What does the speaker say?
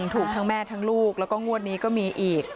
ถูกทั้งแม่ทั้งลูกแล้วก็งวดนี้ก็มีอีก